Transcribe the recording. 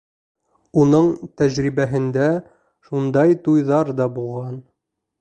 Уның тәжрибәһендә ундай туйҙар ҙа булған.